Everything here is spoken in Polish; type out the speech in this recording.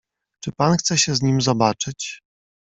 "Czy pan chce się z nim zobaczyć?"